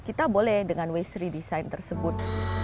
kita boleh dengan waste redesign tersebut